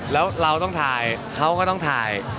แล้วเราต้องถ่ายเขาก็ต้องถ่าย